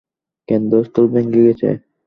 কেন্দ্রস্থল ভেঙে গেছে।